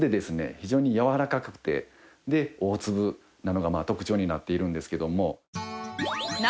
非常にやわらかくて大粒なのが特長になっているんですけども。